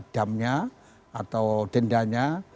damnya atau dendanya